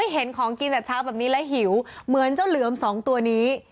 เห็นของกินแต่เช้าแบบนี้แล้วหิวเหมือนเจ้าเหลือมสองตัวนี้